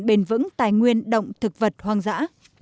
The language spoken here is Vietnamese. bền vững tài nguyên động thực vật hoang dã